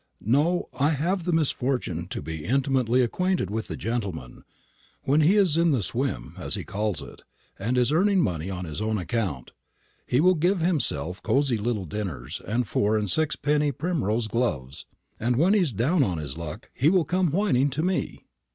No, I have the misfortune to be intimately acquainted with the gentleman. When he is in the swim, as he calls it, and is earning money on his own account, he will give himself cosy little dinners and four and sixpenny primrose gloves; and when he is down on his luck, he will come whining to me."